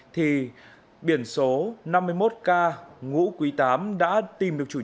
thì biển số năm mươi một k ngũ quý tám đã tìm được chủ